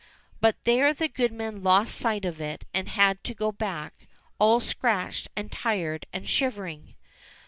But there the goodman lost sight of it and had to go back all scratched and tired and shivering.